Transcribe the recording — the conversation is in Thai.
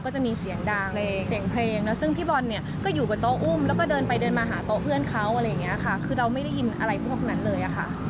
ก็จะมีเสียงดังเสียงเพลงแล้วซึ่งพี่บอลเนี่ยก็อยู่บนโต๊ะอุ้มแล้วก็เดินไปเดินมาหาโต๊ะเพื่อนเขาอะไรอย่างนี้ค่ะคือเราไม่ได้ยินอะไรพวกนั้นเลยอะค่ะ